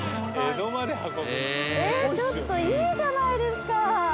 ちょっといいじゃないですか。